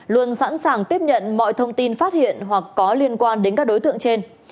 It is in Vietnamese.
luôn sẵn sàng tiếp nhận mọi thông tin phát hiện hoặc có liên quan đến các đối tượng trên